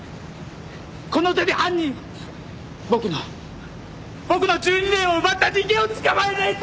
この手で犯人を僕の僕の１２年を奪った人間を捕まえないと！